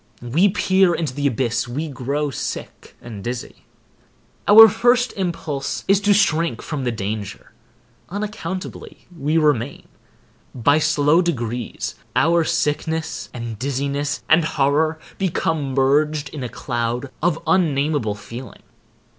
We peer into the abyss—we grow sick and dizzy. Our first impulse is to shrink from the danger. Unaccountably we remain. By slow degrees our sickness and dizziness and horror become merged in a cloud of unnamable feeling.